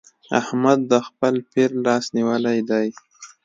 احمد د خپل پير لاس نيولی دی.